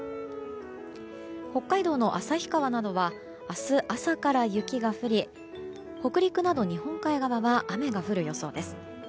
北海道の旭川などは明日朝から雪が降り北陸など日本海側は雨が降る予想です。